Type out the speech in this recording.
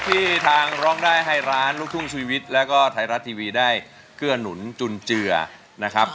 ที่ทางร้องได้ให้ล้านลูกทุ่งชีวิตแล้วก็ไทยรัฐทีวีได้เกื้อหนุนจุนเจือนะครับ